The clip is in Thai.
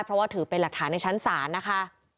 เพราะว่าถือเป็นหลักฐานในชั้นศาลนะคะ